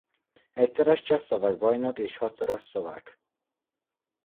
Egyszeres csehszlovák bajnok és hatszoros szlovák.